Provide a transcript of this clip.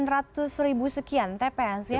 delapan ratus ribu sekian tps ya